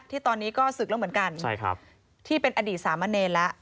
ที่ตอนนี้ก็ศึกแล้วเหมือนกันที่เป็นอดีตสามะเนรแล้ว